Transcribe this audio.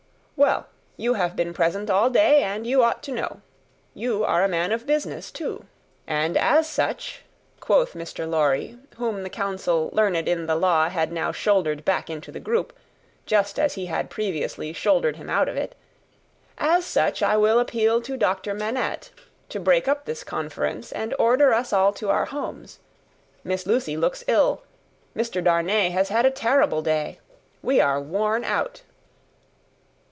"Well! you have been present all day, and you ought to know. You are a man of business, too." "And as such," quoth Mr. Lorry, whom the counsel learned in the law had now shouldered back into the group, just as he had previously shouldered him out of it "as such I will appeal to Doctor Manette, to break up this conference and order us all to our homes. Miss Lucie looks ill, Mr. Darnay has had a terrible day, we are worn out."